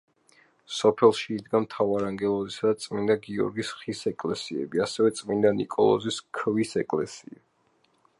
სოფელში იდგა მთავარანგელოზისა და წმინდა გიორგის ხის ეკლესიები, ასევე წმინდა ნიკოლოზის ქვის ეკლესია.